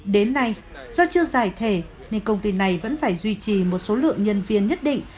đến nay do chưa giải thể nên công ty này vẫn phải duy trì một số lượng nhân viên nhất định